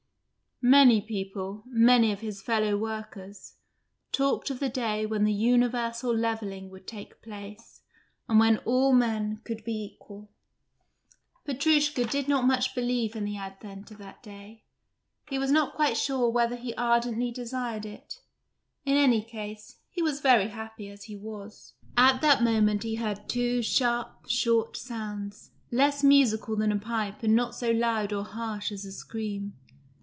Many people many of his fellow workers talked of the day when the universal levelling would take place and when all men could be equal. Petrushka did not much believe in the advent of that day; he was not quite sure whether he ardently desired it; in any case, he was very happy as he was. At that moment he heard two sharp short sounds, less musical than a pipe and not so loud or harsh as a scream.